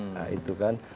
nah itu kan